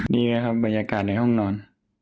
ดีไหมครับบรรยากาศในห้องนอน